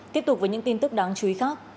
tiếp tục với những tin tức đáng chú ý khác